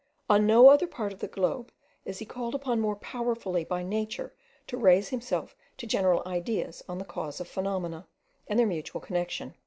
On no other part of the globe is he called upon more powerfully by nature to raise himself to general ideas on the cause of phenomena and their mutual connection.